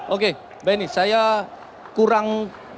oke benny saya kurang